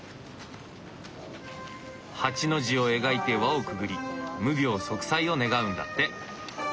８の字を描いて輪をくぐり無病息災を願うんだって。